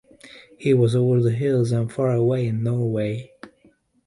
He was over the hills and far away in Norway.